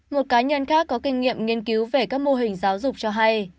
một cá nhân khác có kinh nghiệm nghiên cứu về các mô hình giáo dục cho hay